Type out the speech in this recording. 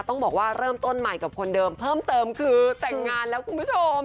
ต้องบอกว่าเริ่มต้นใหม่กับคนเดิมเพิ่มเติมคือแต่งงานแล้วคุณผู้ชม